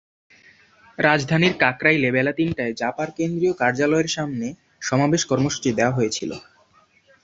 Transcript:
রাজধানীর কাকরাইলে বেলা তিনটায় জাপার কেন্দ্রীয় কার্যালয়ের সামনে সমাবেশ কর্মসূচি দেওয়া হয়েছিল।